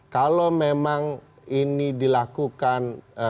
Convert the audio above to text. kalau memang ini dilakukan